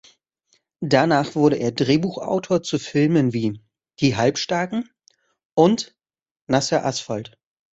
Danach wurde er Drehbuchautor zu Filmen wie "Die Halbstarken" und "Nasser Asphalt".